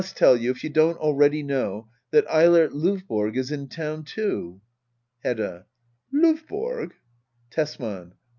tell you — if you don't already know — that Eilert Lovborg is in town^ too. Hedda. Lovborg ! Tesman.